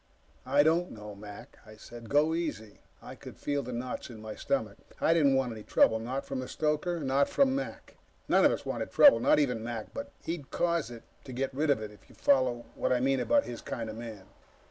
"I don't know, Mac," I said. "Go easy." I could feel the knots in my stomach. I didn't want any trouble. Not from the stoker, not from Mac. None of us wanted trouble not even Mac, but he'd cause it to get rid of it, if you follow what I mean about his kind of man.